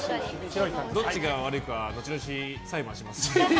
どっちが悪いか後々裁判しますから。